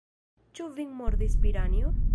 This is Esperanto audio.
Ĉu vin mordis piranjo?